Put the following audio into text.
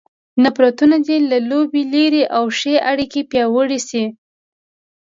نفرتونه دې له لوبې لیرې او ښې اړیکې پیاوړې شي.